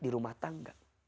di rumah tangga